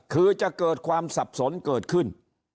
คือจะเกิดความสับสนเกิดขึ้น